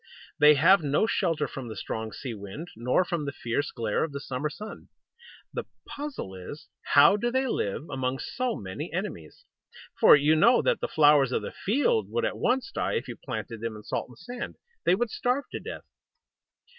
They have no shelter from the strong sea wind, nor from the fierce glare of the summer sun. The puzzle is, how do they live among so many enemies? For you know that the flowers of the field would at once die if you planted them in salt and sand. They would starve to death.